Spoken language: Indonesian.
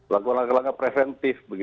lakukan langkah langkah preventif